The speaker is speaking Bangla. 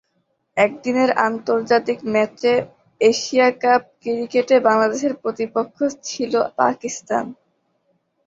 একদিনের আন্তর্জাতিক ম্যাচে এশিয়া কাপ ক্রিকেটে বাংলাদেশের প্রতিপক্ষ ছিল পাকিস্তান।